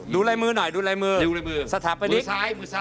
ดูรายมือหน่อยดูรายมือสถานประดิษฐ์